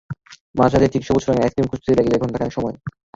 মাঝরাতে ঠিক সবুজ রঙের আইসক্রিম খুঁজতেও লেগে যায় ঘণ্টা খানেক সময়।